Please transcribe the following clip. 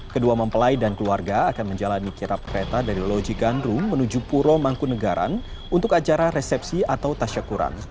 kedua mempelai dan keluarga akan menjalani kirap kereta dari loji gandrung menuju puro mangkunegaran untuk acara resepsi atau tasyakuran